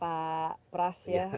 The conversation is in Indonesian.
pak pras ya